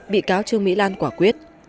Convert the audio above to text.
bị cáo trương mỹ lan quả quyết